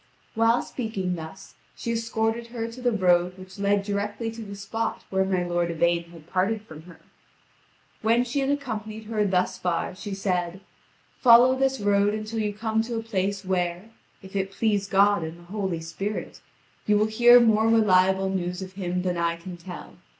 While speaking thus, she escorted her to the road which led directly to the spot where my lord Yvain had parted from her. When she had accompanied her thus far, she said: "Follow this road until you come to a place where, if it please God and the Holy Spirit, you will hear more reliable news of him than I can tell.